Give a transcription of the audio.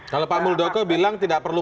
kalau pak muldoko bilang tidak perlu